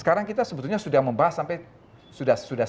sekarang kita sebetulnya sudah membahas sampai sudah selesai